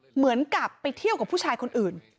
เหมือนกับไปเที่ยวกับผู้ชายคนอื่น